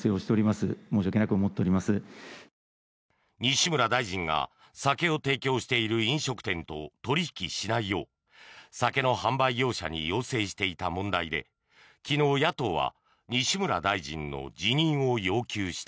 西村大臣が酒を提供している飲食店と取引しないよう酒の販売事業者に要請していた問題で昨日、野党は西村大臣の辞任を要求した。